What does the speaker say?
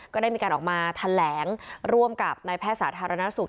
ก็ได้มีการออกมาแถลงร่วมกับนายแพทย์สาธารณสุข